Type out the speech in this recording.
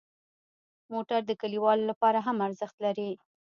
موټر د کلیوالو لپاره هم ارزښت لري.